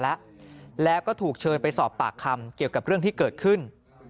แล้วก็ถูกเชิญไปสอบปากคำเกี่ยวกับเรื่องที่เกิดขึ้น